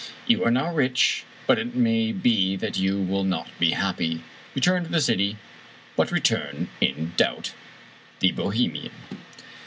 You are now rich, but it may be that you will not be happy. Return to the city, but return in doubt. " The Bohemian."